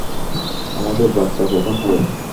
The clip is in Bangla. আমাদের বাচ্চা কখন হবে?